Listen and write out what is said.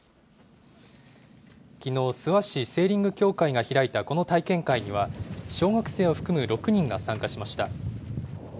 きのう、諏訪市セーリング協会が開いたこの体験会には、小学生を含む６人が参加しました。